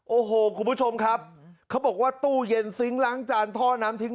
โอ้โหคุณผู้ชมครับเขาบอกว่าตู้เย็นซิงค์ล้างจานท่อน้ำทิ้ง